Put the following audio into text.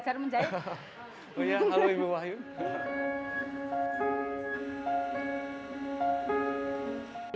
mas dito kembali lagi